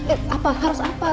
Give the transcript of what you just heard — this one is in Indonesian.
eh apa harus apa tidak ada apa apa